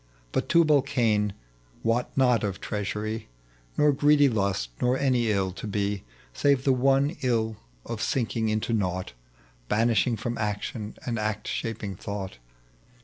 Eut Tubal Cain wot not of treachery, Nor greedy lust, nor any iU to be, Save the one ill of sinking into nought. Banished from action and act^shaping thought.